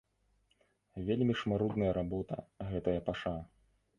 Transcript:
Вельмі ж марудная работа, гэтая паша.